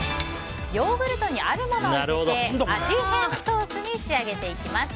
ヨーグルトにあるものを入れて味変ソースに仕上げていきます。